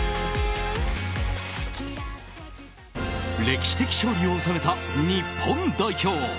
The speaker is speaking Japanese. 歴史的勝利を収めた日本代表。